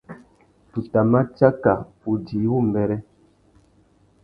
Tu tà ma tsaka udjï wumbêrê.